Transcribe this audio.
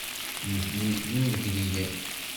Nitni d imegliyen.